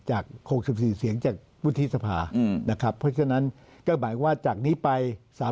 จาก๖๔เสียงจากวุฒิสภานะครับเพราะฉะนั้นก็หมายว่าจากนี้ไป